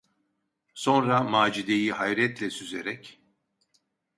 Sonra Macide’yi hayretle süzerek: